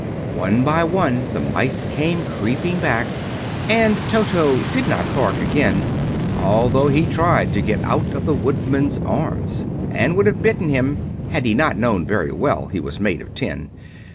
One by one the mice came creeping back, and Toto did not bark again, although he tried to get out of the Woodman's arms, and would have bitten him had he not known very well he was made of tin.